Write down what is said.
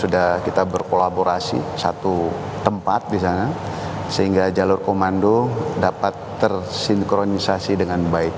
sudah kita berkolaborasi satu tempat di sana sehingga jalur komando dapat tersinkronisasi dengan baik